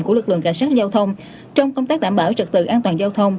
của lực lượng cảnh sát giao thông trong công tác đảm bảo trật tự an toàn giao thông